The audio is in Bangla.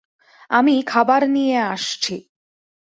আমি খাবার নিয়ে আসছি।